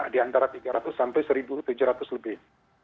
di antara tiga ratus sampai satu tujuh ratus lebih